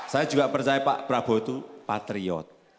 saya juga percaya pak prabowo itu patriot